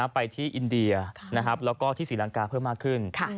ไปที่อินเดียแล้วก็ที่ศรีลังกาเพิ่มมากขึ้น